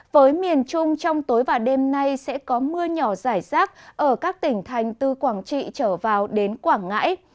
với miền trung trong tối và đêm nay sẽ có mưa nhỏ rải rác ở các tỉnh thành từ quảng trị trở vào đến quảng ngãi